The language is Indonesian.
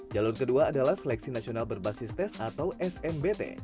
jalur kedua adalah seleksi nasional berbasis tes atau snbt